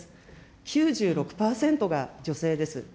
９６％が女性です。